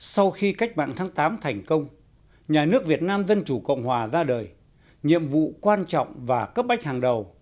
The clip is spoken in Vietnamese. sau khi cách mạng tháng tám thành công nhà nước việt nam dân chủ cộng hòa ra đời nhiệm vụ quan trọng và cấp bách hàng đầu